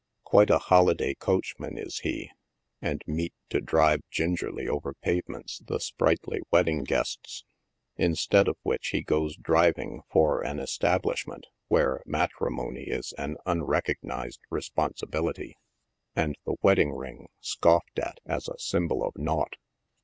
Quite a holiday coachman is he, and meet to drive gingerly over pavements the sprightly wedding guests. In stead of which he goes driving for an " establishment" where ma trimony is an unrecognized responsibility, and the wedding ring THE STATION HOUSES. 41 scoffed at as a symbol of nought.